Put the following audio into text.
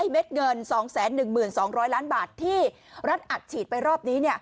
เม็ดเงินสองแสนหนึ่งหมื่นสองร้อยล้านบาทที่รัฐอัดฉีดไปรอบนี้